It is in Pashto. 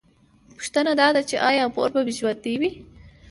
پوښتنه دا ده چې ایا مور به مې ژوندۍ وي